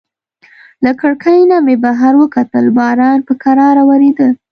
له کړکۍ نه مې بهر وکتل، باران په کراره وریده.